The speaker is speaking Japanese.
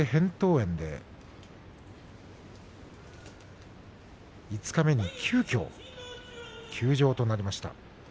炎で五日目に急きょ休場となりました。